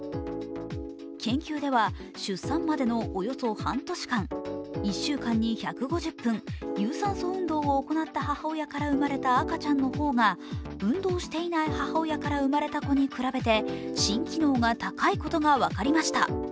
研究では、出産までのおよそ半年間、１週間に１５０分、有酸素運動を行った母親から生まれた赤ちゃんの方が運動していない母親から産まれた子に比べて心機能が高いことが分かりました。